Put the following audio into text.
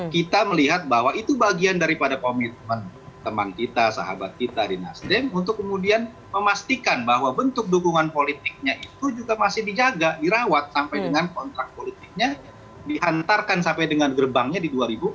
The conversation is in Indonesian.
kita melihat bahwa itu bagian daripada komitmen teman kita sahabat kita di nasdem untuk kemudian memastikan bahwa bentuk dukungan politiknya itu juga masih dijaga dirawat sampai dengan kontrak politiknya dihantarkan sampai dengan gerbangnya di dua ribu empat belas